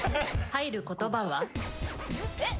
入る言葉は？えっ？